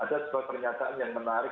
ada sebuah pernyataan yang menarik